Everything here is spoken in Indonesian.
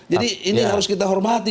jadi ini harus kita hormati